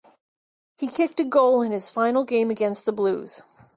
He kicked a goal in his final game against the Blues.